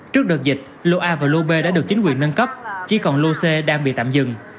trước đợt dịch lô a và lô b đã được chính quyền nâng cấp chỉ còn lô c đang bị tạm dừng